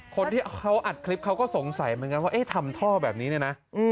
คนที่เขาอัดคลิปเขาก็สงสัยเหมือนกันว่าเอ๊ะทำท่อแบบนี้เนี่ยนะ